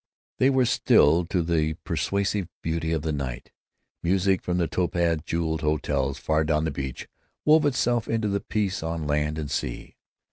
They were stilled to the persuasive beauty of the night. Music from the topaz jeweled hotels far down the beach wove itself into the peace on land and sea.